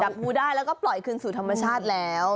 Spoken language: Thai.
งูได้แล้วก็ปล่อยคืนสู่ธรรมชาติแล้ว